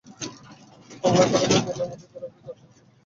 হামলার কারণে স্টেশনটি পুরোপুরি অকার্যকর হয়ে পড়েছে বলেও তিনি দাবি করেন।